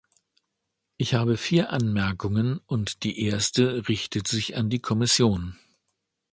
Ich habe vier Anmerkungen, und die erste richtet sich an die Kommission.